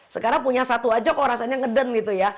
sekarang punya satu aja kok rasanya ngeden gitu ya